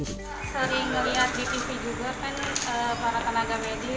sering melihat di tv juga kan para tenaga medis yang muda berjuang berat